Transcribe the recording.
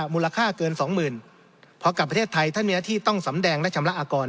มูลค่าเกินสองหมื่นพอกลับประเทศไทยท่านมีหน้าที่ต้องสำแดงและชำระอากร